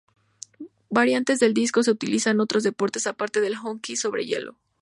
Variantes del disco se utilizan en otros deportes a parte del hockey sobre hielo.